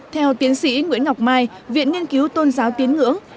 theo tiến sĩ nguyễn ngọc mai viện nghiên cứu tôn giáo tiến ngưỡng